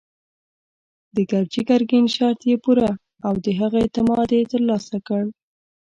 د ګرجي ګرګين شرط يې پوره او د هغه اعتماد يې تر لاسه کړ.